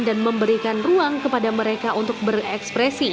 dan memberikan ruang kepada mereka untuk berekspresi